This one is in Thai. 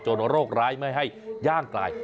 โรคร้ายไม่ให้ย่างกลาย